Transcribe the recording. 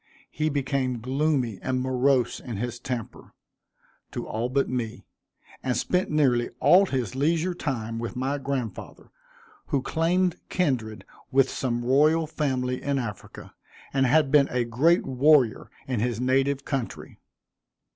He became gloomy and morose in his temper, to all but me; and spent nearly all his leisure time with my grandfather, who claimed kindred with some royal family in Africa, and had been a great warrior in his native country.